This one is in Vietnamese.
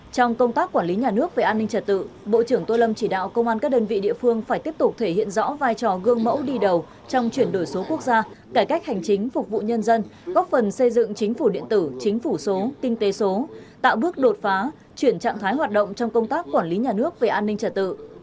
trong công tác quản lý nhà nước về an ninh trật tự bộ trưởng tô lâm chỉ đạo công an các đơn vị địa phương phải tiếp tục thể hiện rõ vai trò gương mẫu đi đầu trong chuyển đổi số quốc gia cải cách hành chính phục vụ nhân dân góp phần xây dựng chính phủ điện tử chính phủ số kinh tế số tạo bước đột phá chuyển trạng thái hoạt động trong công tác quản lý nhà nước về an ninh trật tự